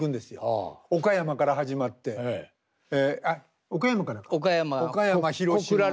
岡山から始まって岡山からか広島。